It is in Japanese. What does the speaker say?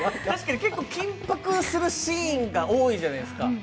確かに結構、緊迫しているシーンが多いじゃないですか。